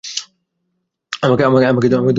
আমাকে উদ্ধার করতেই এসেছো।